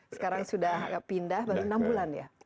sekarang sudah pindah baru enam bulan ya